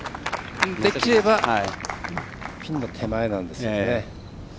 できればピンの手前なんですよね。